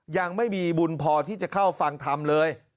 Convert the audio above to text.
ยังไม่มีบุญพอที่จะเข้าฟังธรรมเลย